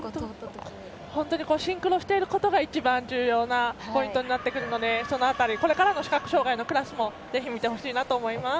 シンクロしていることが一番重要なポイントになってくるのでその辺り、これからの視覚障がいのクラスもぜひ見てほしいなと思います。